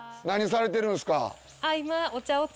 何されてるんすか？